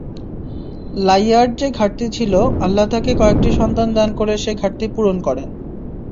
Liar যে ঘাটতি ছিল আল্লাহ তাকে কয়েকটি সন্তান দান করে সে ঘাটতি পূরণ করেন।